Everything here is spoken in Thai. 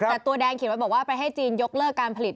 แต่ตัวแดงเขียนไว้บอกว่าไปให้จีนยกเลิกการผลิต